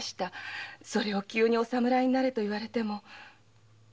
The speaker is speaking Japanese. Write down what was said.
それを急にお侍になれと言われても。